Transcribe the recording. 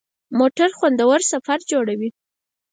موټر خوندور سفر جوړوي.